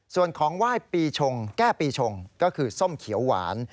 ส่วนของไหว้ปีชงแก้ปีชงก็คือส้มเขียวหวาน